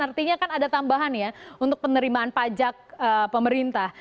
artinya kan ada tambahan ya untuk penerimaan pajak pemerintah